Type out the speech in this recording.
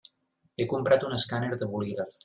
He comprat un escàner de bolígraf.